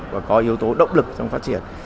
và có yếu tố động lực trong phát triển